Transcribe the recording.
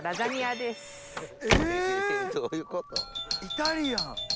イタリアン。